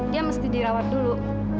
dia mesti dirawat dulu